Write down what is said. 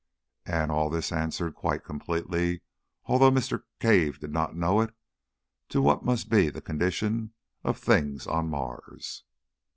And all this answers quite completely, although Mr. Cave did not know it, to what must be the condition of things on Mars.